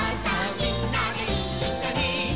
みんなでいっしょに」